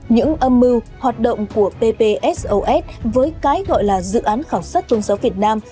những âm mưu hoạt động của bpsos với cái gọi là dự án khảo sát trung sống việt nam